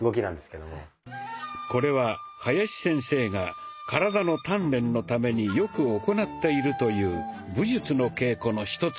これは林先生が体の鍛錬のためによく行っているという武術の稽古の一つです。